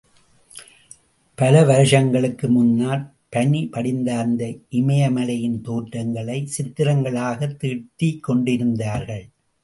பல வருஷங்களுக்கு முன்னால் பனி படிந்த அந்த இமய மலையின் தோற்றங்களை சித்திரங்களாகத் தீட்டிக்கொண்டிருந்தார்கள்.